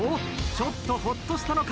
ちょっとほっとしたのか？